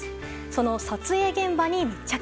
その撮影現場に密着。